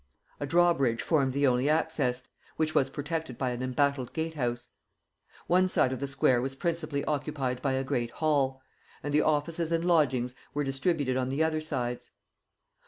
A drawbridge formed the only access, which was protected by an embattled gatehouse. One side of the square was principally occupied by a great hall; and the offices and lodgings were distributed on the other sides.